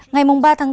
ngày ba tháng bốn